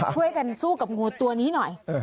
ช่วยกันสู้กับงูตัวนี้หน่อย